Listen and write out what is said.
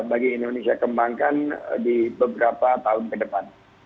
bagi indonesia kembangkan di beberapa tahun ke depan